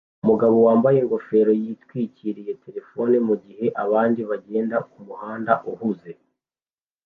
Umugabo wambaye ingofero yatwikiriye terefone mugihe abandi bagenda kumuhanda uhuze